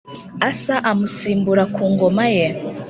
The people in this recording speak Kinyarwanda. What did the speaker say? Asa amusimbura ku ngoma ye